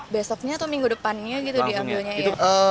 besoknya atau minggu depannya diambilnya